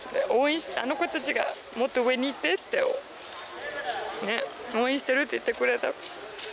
あの子たちが「もっと上に行って」って「応援してる」って言ってくれた。